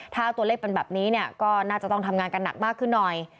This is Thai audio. ถ้าตัวเลขเป็นแบบนี้เนี่ยก็น่าจะต้องทำงานกันหนักมากขึ้นหน่อย